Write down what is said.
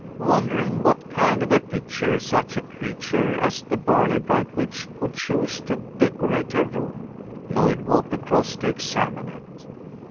Wondering what kind of a picture such a creature as the Barley bright witch would choose to decorate her room, Lloyd walked across to examine it.